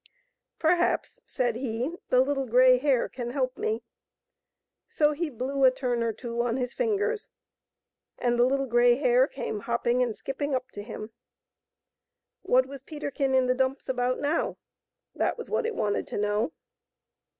" Perhaps," said he, " the Little Grey Hare can help me." So he blew a turn or two on his fingers, and the Little Grey Hare came hopping and skipping up to him. What was Peterkin in the dumps about now ? That was what it wanted to know.